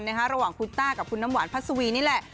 ระหว่างคุณต้ากับคุณน้ำหวานพัสวีนี่แหละ